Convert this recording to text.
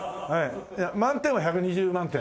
いや満点は１２０万点。